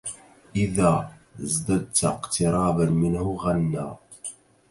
إذا ازددت اقتراباً منه غنىَّ